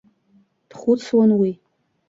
Дхәыцуан уи.